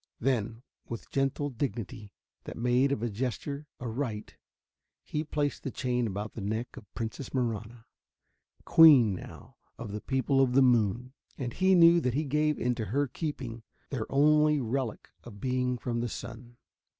Then, with gentle dignity that made of the gesture a rite, he placed the chain about the neck of Princess Marahna Queen, now, of the People of the Moon. And he knew that he gave into her keeping their only relic of a being from the sun.